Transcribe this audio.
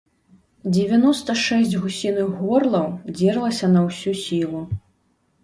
Дзевяноста шэсць гусіных горлаў дзерлася на ўсю сілу.